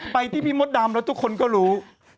ไปที่พี่มดดำแล้วทุกคนก็รู้